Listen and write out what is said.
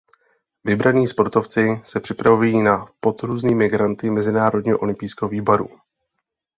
Vybrání sportovci se připravují na pod různými granty mezinárodního olympijského výboru.